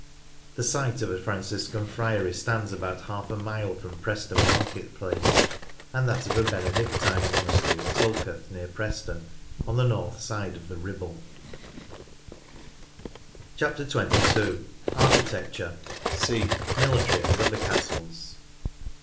The site of a Franciscan friary stands about half a mile from Preston market place, and that of a Benedictine monastery at Tulketh, near Preston, on the north side of the Ribble. 132 NORTH LANCASHIRE 22. Architecture— (c) Military and other Castles.